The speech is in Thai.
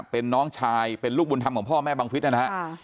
เป็นน้องชายเป็นลูกบุญธรรมของพ่อแม่บังฟิศนะฮะ